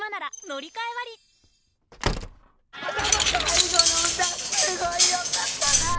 最後の歌すごい良かったな！